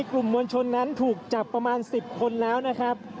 คุณภูริพัฒน์ครับ